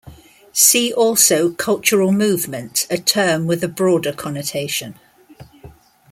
See also cultural movement, a term with a broader connotation.